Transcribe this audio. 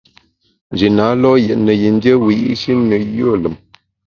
Nji na lo’ yètne yin dié wiyi’shi ne yùe lùm.